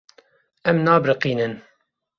Em nabiriqînin.